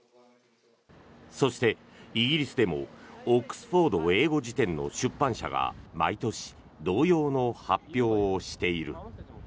そして、イギリスでも「オックスフォード英語辞典」の出版社が毎年、同様の発表をしている。